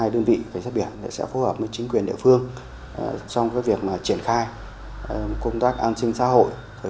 đoàn trinh sát biển sẽ phù hợp với chính quyền địa phương trong việc triển khai công tác an sinh xã hội